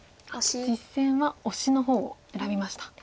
実戦はオシの方を選びました。